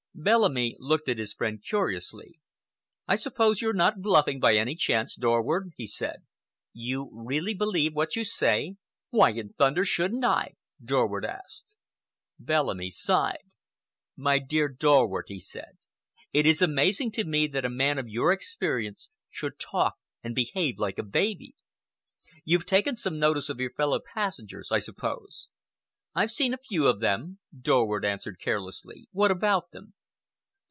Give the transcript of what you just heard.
Bellamy looked at his friend curiously. "I suppose you're not bluffing, by any chance, Dorward?" he said. "You really believe what you say?" "Why in thunder shouldn't I?" Dorward asked. Bellamy sighed. "My dear Dorward," he said, "it is amazing to me that a man of your experience should talk and behave like a baby. You've taken some notice of your fellow passengers, I suppose?" "I've seen a few of them," Dorward answered carelessly. "What about them?"